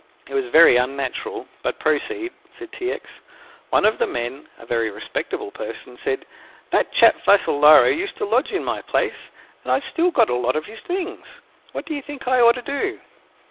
"It was very unnatural, but proceed," said T. X. "One of the men a very respectable person said, 'That chap Vassalaro used to lodge in my place, and I've still got a lot of his things. What do you think I ought to do?'"